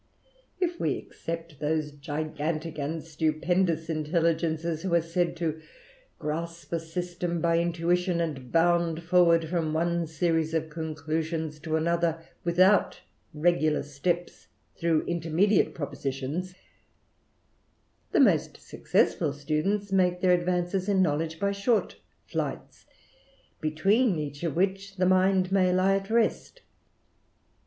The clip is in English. If we except those gigantick and stupendous intelligences who are THE RAMBLER. 135 said to grasp a system by intuition, and bound forward from one series of conclusions to another, without regular steps through intermediate propositions, the most successful students make their advances in knowledge by short flights, between each of which ihe mind may lie at rest.